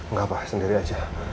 gak apa sendiri aja